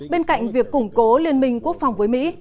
bên cạnh việc củng cố liên minh quốc phòng với mỹ